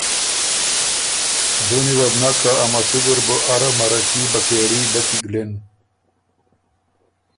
ځُوني وه بو نک که ا مسُودی ر بُو اره مرکي، بکېړي دۀ کی ګلِن۔